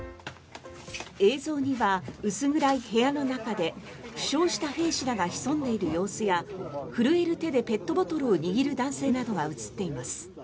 映像には薄暗い部屋の中で負傷した兵士らが潜んでいる様子や震える手でペットボトルを握る男性などが映っています。